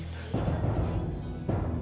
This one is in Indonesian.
chris apa sih